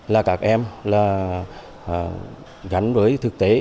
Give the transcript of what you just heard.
là các em gắn với thực tế